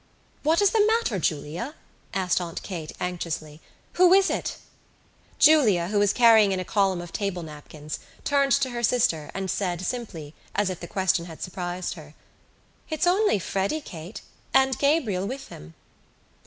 "What is the matter, Julia?" asked Aunt Kate anxiously. "Who is it?" Julia, who was carrying in a column of table napkins, turned to her sister and said, simply, as if the question had surprised her: "It's only Freddy, Kate, and Gabriel with him."